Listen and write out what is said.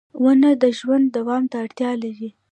• ونه د ژوند دوام ته اړتیا لري.